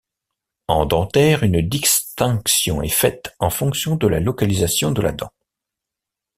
En dentaire, une distinction est faite en fonction de la localisation de la dent.